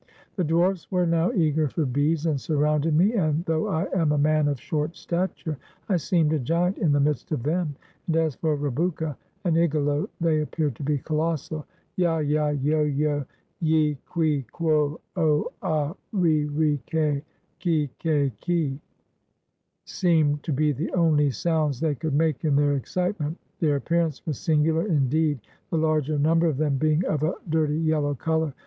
The dwarfs were now eager for beads, and surrounded me, and, though I am a man of short stature, I seemed a giant in the midst of them; and as for Rebouka and Igalo, they appeared to be colossal. " Ya 1 ya I yo I yo ! ye I qui ! quo ! oh ! ah ! ri I ri 1 ke ! ki I ke I ki I" seemed to be the only sounds they could make in their excite ment. Their appearance was singular, indeed, the larger number of them being of a dirty yellow color.